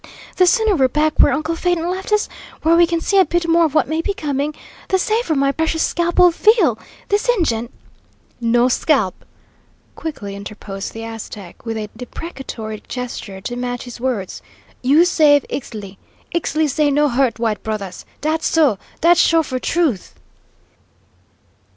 The sooner we're back where uncle Phaeton left us, where we can see a bit more of what may be coming, the safer my precious scalp will feel. This Injun " "No scalp," quickly interposed the Aztec, with a deprecatory gesture to match his words. "You save Ixtli. Ixtli say no hurt white brothers. Dat so, dat sure for truth!"